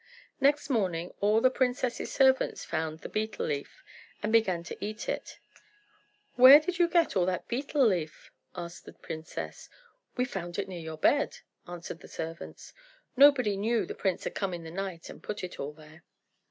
Next morning all the princess's servants found the betel leaf, and began to eat it. "Where did you get all that betel leaf?" asked the princess. "We found it near your bed," answered the servants. Nobody knew the prince had come in the night and put it all there.